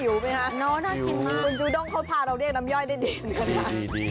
กินแล้วหิวไหมครับคุณจูด้งเขาพาเราเรียกน้ำย่อยได้ดีเหมือนกันครับ